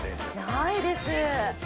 ないです。